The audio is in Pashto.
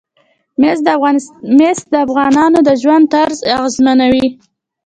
مس د افغانانو د ژوند طرز اغېزمنوي.